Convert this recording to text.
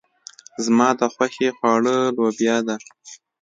زما د خوښې خواړه لوبيا ده.